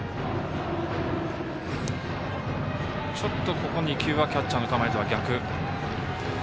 ここ２球はキャッチャーの構えとは逆。